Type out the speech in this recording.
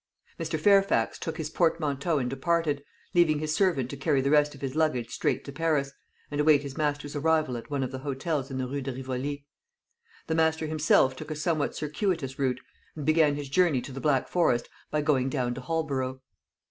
Mr. Fairfax took his portmanteau and departed, leaving his servant to carry the rest of his luggage straight to Paris, and await his master's arrival at one of the hotels in the Rue de Rivoli. The master himself took a somewhat circuitous route, and began his journey to the Black Forest by going down to Holborough.